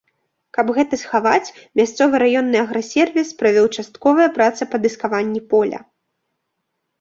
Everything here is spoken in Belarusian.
Каб гэта схаваць, мясцовы раённы аграсервіс правёў частковыя працы па дыскаванні поля.